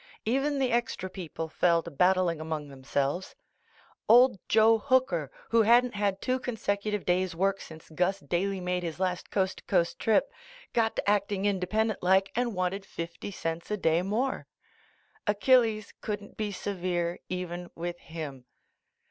Even the extra people fell to battling among themselves. Old Joe Hooker, who hadn't had two consecutive days' work since Gus Daly made his last coast to coast trip, got to acting independent like and wanted fifty cents a day more. Achilles couldn't be severe even with him.